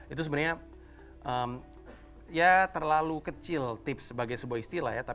itu sebenarnya ya terlalu kecil tips sebagai sebuah istilah ya